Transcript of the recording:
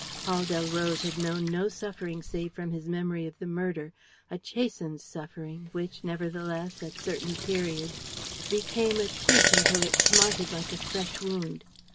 Paul Delroze had known no suffering save from his memory of the murder, a chastened suffering which, nevertheless, at certain periods became acute until it smarted like a fresh wound.